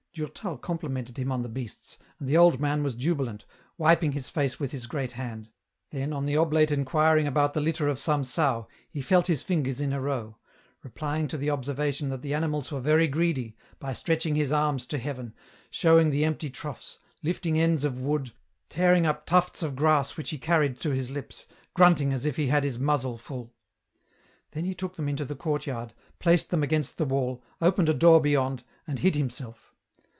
Durtal complimented him on the beasts, and the old man was jubilant, wiping his face with his great hand ; then, on the oblate inquiring about the litter of some sow, he felt his fingers in a row ; replying to the observation that the animals were very greedy, by stretching his arms to heaven, showing the empty troughs, lifting ends of wood, tearing up tufts of grass which he carried to nis lips, grunting as if he had his muzzle full. Then he took them into the courtyard, placed them against the wall, opened a door beyond, and hid him selr.